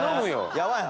やばいな！